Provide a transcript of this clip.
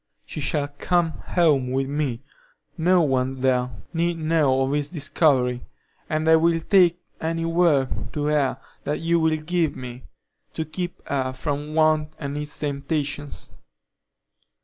She shall come home with me; no one there need know of this discovery, and I will take any work to her that you will give me, to keep her from want and its temptations.